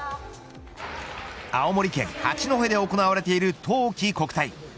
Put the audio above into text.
青森県八戸で行われている冬季国体。